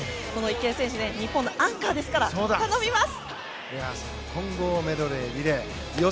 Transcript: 池江選手は日本のアンカーですから頼みます！